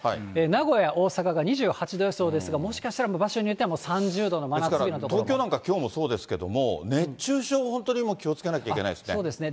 名古屋、大阪が２８度予想ですが、もしかしたら場所によっては、ですから、東京なんかきょうもそうですけれども、熱中症、本当に気をつけなきゃいけないですね。